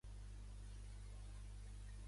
Està disponible empaquetat en la forma seca o fresc.